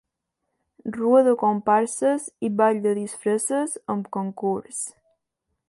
Rua de comparses i ball de disfresses amb concurs.